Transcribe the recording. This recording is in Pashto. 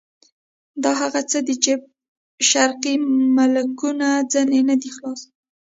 دا هغه څه دي چې شرقي ملکونه ځنې نه دي خلاص.